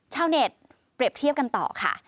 ชาวเน็ตเปรียบเทียบกันต่อค่ะ